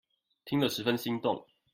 聽了十分心動